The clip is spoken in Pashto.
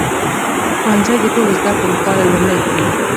ښوونځی د ټولو زده کړو لپاره لومړی ګام دی.